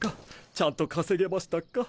ちゃんと稼げましたか？